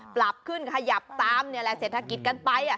ปรับขึ้นขยับตามนี่แหละเศรษฐกิจกันไป